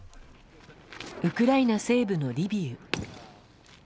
ウクライナ西部のリビウ。